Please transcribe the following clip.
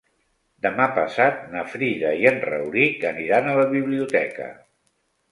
Demà passat na Frida i en Rauric aniran a la biblioteca.